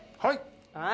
はい。